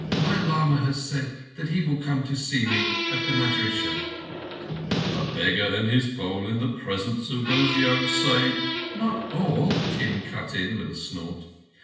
"My lama has said that he will come to see me at the madrissah—" "A beggar and his bowl in the presence of those young Sa—" "Not all!" Kim cut in with a snort.